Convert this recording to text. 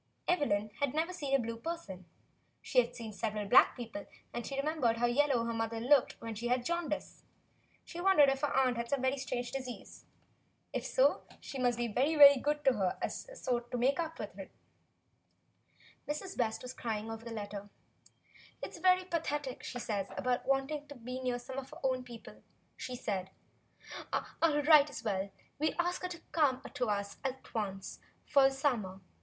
Evelyn had never seen a blue person. She had seen several black people, and she remembered how yellow her mother had looked when she had the jaundice. She wondered if her aunt had some strange disease. If so, she must be very, very good to her so as to make up for it. Mrs. West was crying over the letter. "It is very pathetic what she says about wanting to be near some of her own people," she said. "I'll write as well as you, and we'll ask her to come to us at once for the summer.